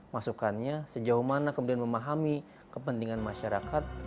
masukannya sejauh mana kemudian memahami kepentingan masyarakat